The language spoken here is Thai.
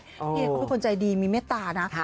เพราะถ้าพี่เออียดิกก็เป็นคนใจดีมีเมตตานะ